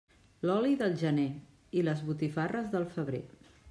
L'oli, del gener, i les botifarres, del febrer.